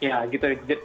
ya gitu ya